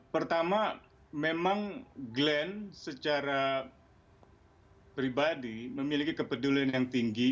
pertama memang glenn secara pribadi memiliki kepedulian yang tinggi